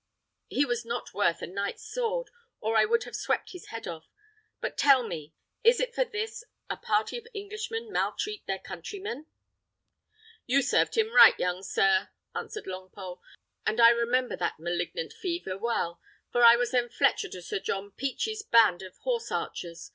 He was not worth a knight's sword, or I would have swept his head off. But tell me, is it for this a party of Englishmen maltreat their countrymen?" "You served him right, young sir," answered Longpole; "and I remember that malignant fever well, for I was then fletcher to Sir John Pechie's band of horse archers.